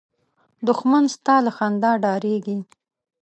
دښمن ستا له خندا ډارېږي